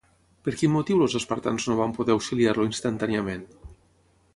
Per quin motiu els espartans no van poder auxiliar-lo instantàniament?